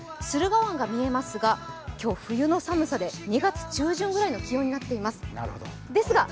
駿河湾が見えますが、今日、冬の寒さで２月中旬ぐらいの気温になっています。